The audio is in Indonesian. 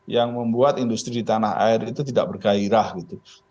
yang membuat industri di tanah air itu tidak bergairah gitu